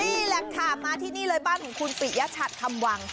นี่แหละค่ะมาที่นี่เลยบ้านของคุณปิยชัดคำวัง